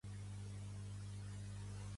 Aeon va morir i es va perdre molta informació.